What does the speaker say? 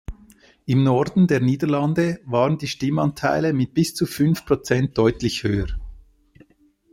Im Norden der Niederlande waren die Stimmanteile mit bis zu fünf Prozent deutlich höher.